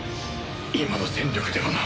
今の戦力ではな。